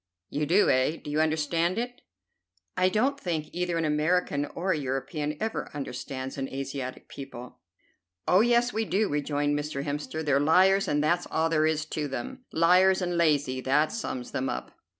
"You do, eh? Do you understand it?" "I don't think either an American or a European ever understands an Asiatic people." "Oh, yes, we do," rejoined Mr. Hemster; "they're liars and that's all there is to them. Liars and lazy; that sums them up."